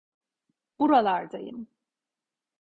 Buralardayım.